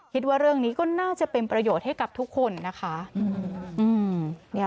คิดว่าเรื่องนี้ก็น่าจะเป็นประโยชน์ให้กับทุกคนนะคะ